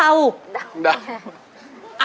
เดา